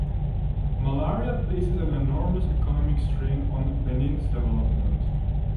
Malaria places an enormous economic strain on Benin’s development.